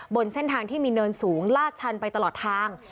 บนเส้นทางที่มีเนินสูงลาดชันไปตลอดทาง